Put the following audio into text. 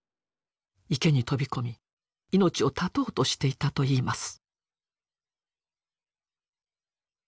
池に飛び込み命を絶とうとしていたといいます。